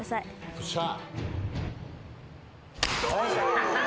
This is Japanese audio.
よっしゃ！